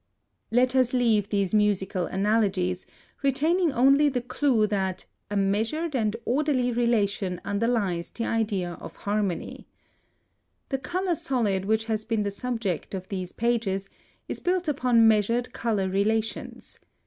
Let us leave these musical analogies, retaining only the clue that a measured and orderly relation underlies the idea of harmony. The color solid which has been the subject of these pages is built upon measured color relations.